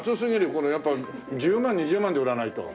これやっぱ１０万２０万で売らないと。